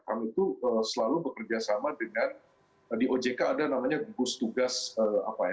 kami itu selalu bekerja sama dengan di ojk ada namanya gugus tugas apa ya